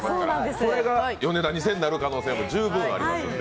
それがヨネダ２０００になる可能性も十分ありますんで。